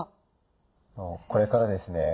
これからですね